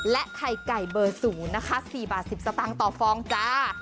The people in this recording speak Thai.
ไข่ไก่เบอร์๐นะคะ๔บาท๑๐สตางค์ต่อฟองจ้า